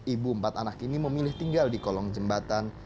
ibu empat anak ini memilih tinggal di kolong jembatan